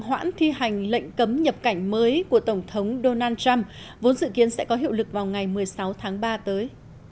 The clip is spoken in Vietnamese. hoãn thi hành lệnh cấm nhập cảnh mới của tổng thống donald trump vốn dự kiến sẽ có hiệu lực vào ngày một mươi sáu tháng ba tới